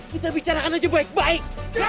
kita bicarakan aja baik baik